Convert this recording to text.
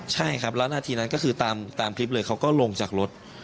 ใช่ครับแล้วนาทีนั้นก็คือตามคลิปเลยเขาก็ลงจากรถ